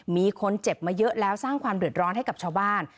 มีคนเจ็บมาเยอะแล้วสร้างความเดือดร้อนให้กับชาวบ้าน